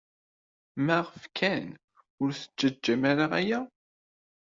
Maɣef kan ur tettaǧǧam ara aya?